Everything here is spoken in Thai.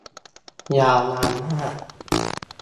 ยาวนานมาก